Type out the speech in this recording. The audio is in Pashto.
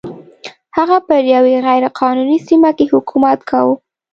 هغه پر یوې غیر قانوني سیمه کې حکومت کاوه.